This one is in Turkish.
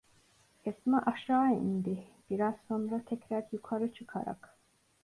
Esma aşağıya indi; biraz sonra tekrar yukarı çıkarak: